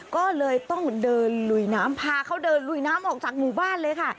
ก็เลยต้องเดินลุยน้ำพาเขาเดินลุยน้ำออกจากหมู่บ้านเลยค่ะ